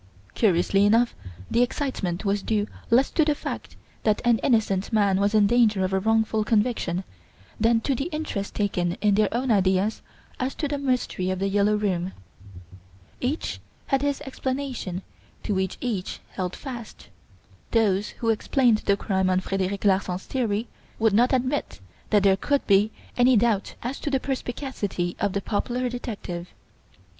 Curiously enough the excitement was due less to the fact that an innocent man was in danger of a wrongful conviction than to the interest taken in their own ideas as to the Mystery of "The Yellow Room". Each had his explanation to which each held fast. Those who explained the crime on Frederic Larsan's theory would not admit that there could be any doubt as to the perspicacity of the popular detective.